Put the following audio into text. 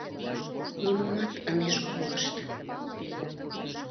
Нимомат ынеж колышт».